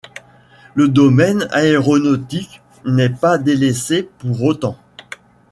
Le domaine aéronautique n'est pas délaissé pour autant.